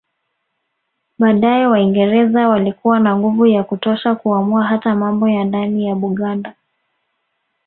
Baadaye Waingereza walikuwa na nguvu ya kutosha kuamua hata mambo ya ndani ya Buganda